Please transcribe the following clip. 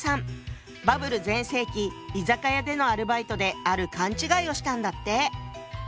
バブル全盛期居酒屋でのアルバイトである勘違いをしたんだって。